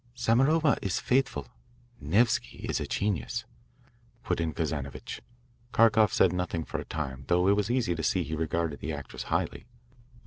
"Samarova is faithful Nevsky is a genius," put in Kazanovitch. Kharkoff said nothing for a time, though it was easy to see he regarded the actress highly.